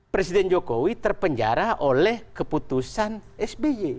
presiden jokowi terpenjara oleh keputusan sby